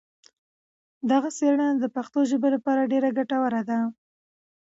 دغه څېړنه د پښتو ژبې لپاره ډېره ګټوره ده.